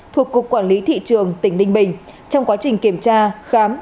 thuộc cục quản lý thị trường tỉnh ninh bình trong quá trình kiểm tra khám